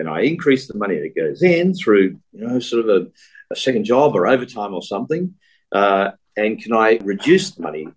bisa saya meningkatkan uang yang datang melalui pekerjaan kedua atau pengembangan atau sesuatu